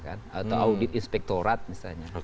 atau audit inspektorat misalnya